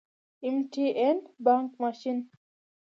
🏧 بانګ ماشین